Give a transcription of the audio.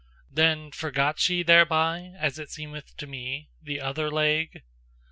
Then forgot she thereby, as it seem'th to me, The OTHER leg?